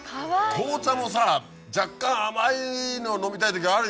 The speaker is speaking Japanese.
紅茶もさ若干甘いの飲みたいときあるよね。